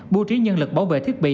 bù trí nhân lực bảo vệ thiết bị